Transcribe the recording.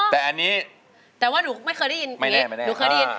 แต่อันนี้แต่ว่าหนูไม่เคยได้ยินอีก